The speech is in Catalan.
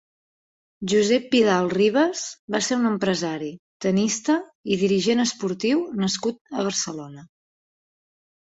Josep Vidal-Ribas va ser un empresari, tennista i dirigent esportiu nascut a Barcelona.